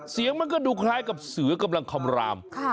เสียงมันก็ดูคล้ายกับเสือกำลังคำราม